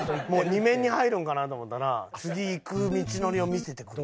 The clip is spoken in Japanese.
２面に入るんかなと思ったら次行く道のりを見せてくるわ。